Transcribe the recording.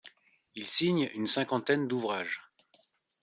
Il signe une cinquantaine d'ouvrages.